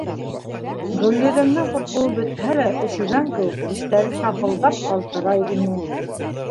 Гөлйөҙөмдөң ҡурҡыуы бөтһә лә, өшөгән кеүек, тештәре шаҡылдап ҡалтырай ине.